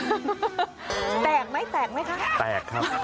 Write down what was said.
แตกไหมแตกไหมคะแตกครับ